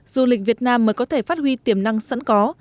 du lịch việt nam mới có thể phát huy tiềm năng sẵn có